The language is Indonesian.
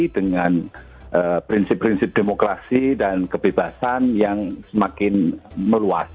dengan prinsip prinsip demokrasi dan kebebasan yang semakin meluas